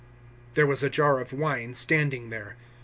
019:029 There was a jar of wine standing there.